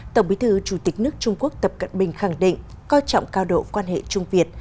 tổng bí thư chủ tịch nước trung quốc tập cận bình khẳng định coi trọng cao độ quan hệ trung việt